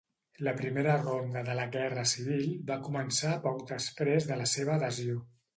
La primera ronda de la guerra civil va començar poc després de la seva adhesió.